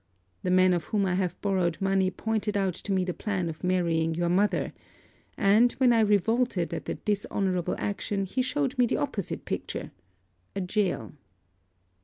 The man of whom I have borrowed money pointed out to me the plan of marrying your mother; and, when I revolted at the dishonourable action, he showed me the opposite picture a jail.